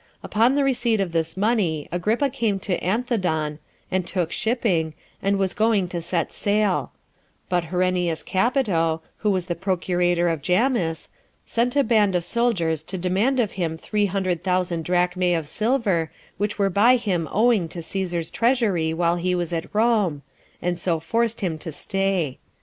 Upon the receipt of this money, Agrippa came to Anthedon, and took shipping, and was going to set sail; but Herennius Capito, who was the procurator of Jamhis, sent a band of soldiers to demand of him three hundred thousand drachmae of silver, which were by him owing to Cæsar's treasury while he was at Rome, and so forced him to stay.